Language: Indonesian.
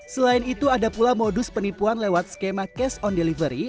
selain itu ada pula modus penipuan lewat skema cash on delivery